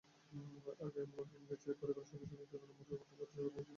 আগে এমনও দিন গেছে, পরিবারের সদস্যদের দুবেলা দুমুঠো ভাতের জোগান দিতে পারিনি।